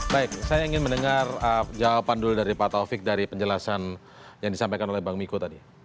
baik saya ingin mendengar jawaban dulu dari pak taufik dari penjelasan yang disampaikan oleh bang miko tadi